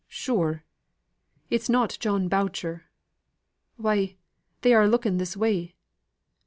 Sure! It's not John Boucher! Why, they are a' looking this way!